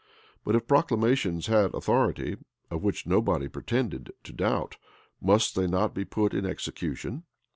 But if proclamations had authority, of which nobody pretended to doubt, must they not be put in execution?